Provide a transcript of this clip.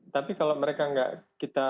tapi kalau mereka nggak kita